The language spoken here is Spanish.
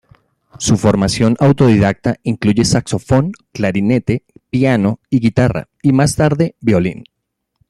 Su formación autodidacta incluye saxofón, clarinete, piano y guitarra, y más tarde violín.